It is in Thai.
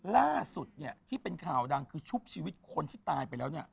ล่าสุดที่เป็นข่าวดังคือชุบชีวิตคนที่ตายไปแล้ว